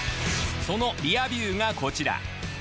そのリアビューがこちら。